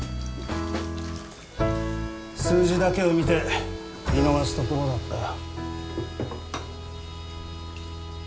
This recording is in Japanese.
数字だけを見て見逃すところだったよ。